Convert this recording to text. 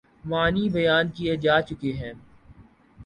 معنی بیان کئے جا چکے ہیں۔